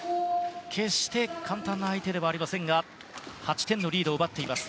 決して簡単な相手ではありませんが８点のリードを奪っています